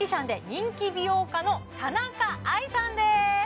人気美容家の田中愛さんです